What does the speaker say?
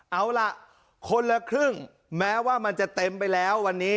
เอาล่ะคนละครึ่งแม้ว่ามันจะเต็มไปแล้ววันนี้